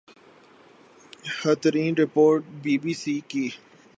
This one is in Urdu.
ہترین رپورٹ بی بی سی کی